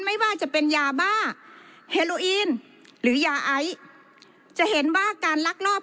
ไม่ว่าจะเป็นยาบ้าเฮโลอีนหรือยาไอจะเห็นว่าการลักลอบ